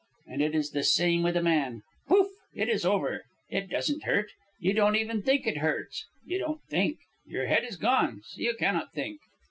And it is the same with a man. Pouf! it is over. It doesn't hurt. You don't even think it hurts. You don't think. Your head is gone, so you cannot think.